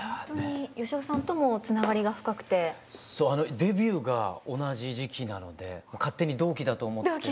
デビューが同じ時期なので勝手に同期だと思って。